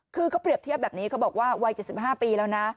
คือเขาเปรียบเทียบแบบนี้เขาบอกว่าวัย๗๕ปีแล้วนะ